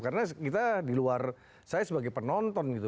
karena kita di luar saya sebagai penonton gitu